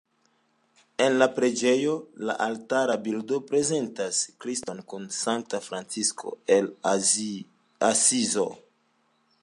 En la preĝejo la altara bildo prezentas Kriston kun Sankta Francisko el Asizo.